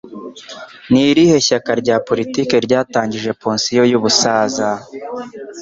Ni irihe shyaka rya politiki ryatangije pansiyo y'ubusaza